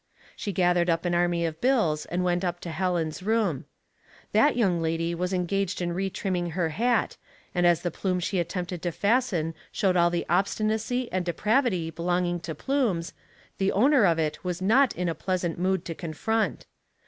She gathered up an army of bills and went up to Helen's room. That young lady was engaged in retrimming her hat, and as the plume she attempted to fasten showed all the obstinacy and depravity belonging to plumes, the owner of it was not in a pleasant mood to confront.